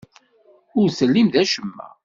Ur tellim d acemma.